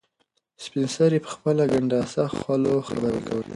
سپین سرې په خپله کنډاسه خوله خبرې کولې.